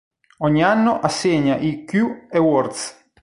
Ogni anno assegna i Q Awards.